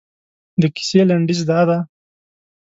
د کیسې لنډیز دادی.